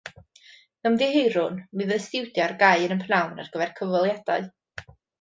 Ymddiheurwn, mi fydd y stiwdio ar gau yn y pnawn ar gyfer cyfweliadau